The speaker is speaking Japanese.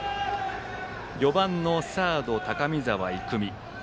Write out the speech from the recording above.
４番サード、高見澤郁魅。